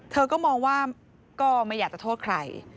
เธอก็มองว่าก็ไม่อยากจะโทษใคร